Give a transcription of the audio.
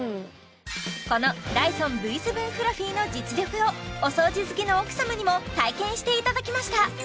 このダイソンＶ７フラフィの実力をお掃除好きの奥様にも体験していただきました